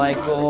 iya itu sama